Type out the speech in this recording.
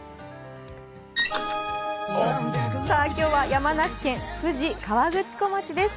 今日は山梨県富士河口湖町です。